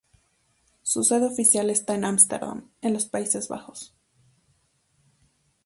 Su sede oficial está en Ámsterdam, en los Países Bajos.